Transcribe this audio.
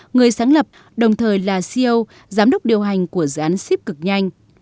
người sáng lập đồng thời là ceo giám đốc điều hành của dự án ship cực nhanh